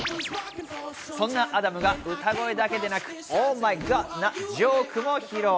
そんなアダムが歌声だけでなく、ＯｈＭｙＧｏｄなジョークも披露。